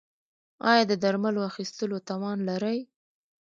ایا د درملو اخیستلو توان لرئ؟